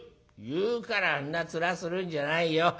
言うからそんな面するんじゃないよ。